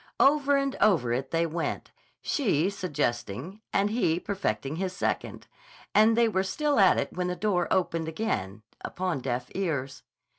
Over and over it they went, she suggesting, and he perfecting his second; and they were still at it when the door opened again, upon deaf ears.